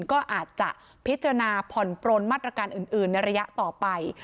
ก็อาจจะพิจารณาผ่อนปลนมาตรการอื่นในระยะต่อไป